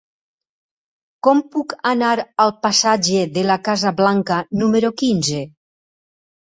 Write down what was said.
Com puc anar al passatge de la Casa Blanca número quinze?